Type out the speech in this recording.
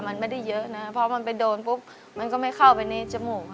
มันไม่ได้เยอะนะเพราะมันไปโดนปุ๊บมันก็ไม่เข้าไปในจมูกค่ะ